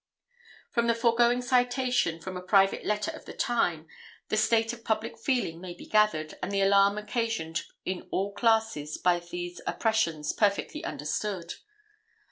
From the foregoing citation, from a private letter of the time, the state of public feeling may be gathered, and the alarm occasioned in all classes by these oppressions perfectly understood.